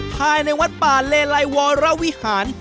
ภายในวัดป่าเลไลวรวิหาร